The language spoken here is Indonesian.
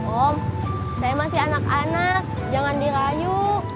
om saya masih anak anak jangan dirayu